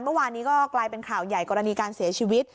เมื่อวานนี้ก็กลายเป็นข่าวใหญ่กรณีการเสียชีวิต